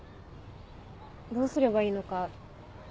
どうすればいいのか